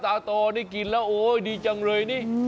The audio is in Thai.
ตาโตนี่กินแล้วโอ๊ยดีจังเลยนี่